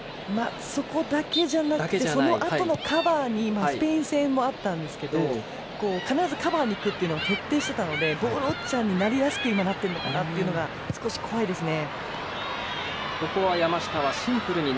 そこだけじゃなくてそのあとのカバーにスペイン戦もあったんですが必ずカバーにいくのを徹底していたのがボールウォッチャーになりやすくなっているのかなという部分が少し怖いですね。